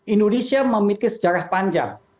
indonesia memiliki sejarah panjang